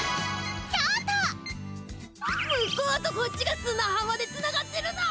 向こうとこっちがすなはまでつながってるだ！